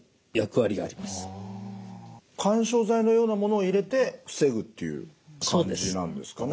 緩衝材のようなものを入れて防ぐっていう感じなんですかね。